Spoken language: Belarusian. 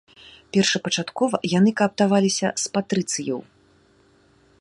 Першапачаткова яны кааптаваліся з патрыцыяў.